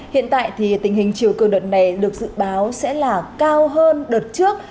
hiện tại thì tình hình chiều cường đợt này được dự báo sẽ là cao hơn đợt trước